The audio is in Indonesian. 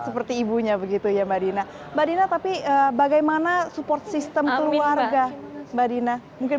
seperti ibunya begitu ya badinah badinah tapi bagaimana support system keluarga badinah mungkin